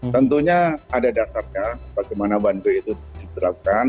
tentunya ada dasarnya bagaimana one way itu diterapkan